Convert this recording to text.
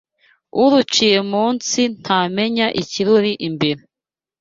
Uruciye mu nsi ntamenya ikiruri imbere